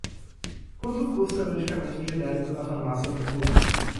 Quanto custa o medicamento genérico na farmácia popular?